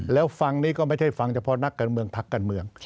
แล้วฟังนี้ก็ไม่ใช่ฟังเฉพาะนักการเมืองพรรดิ